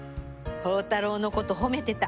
宝太郎のこと褒めてた。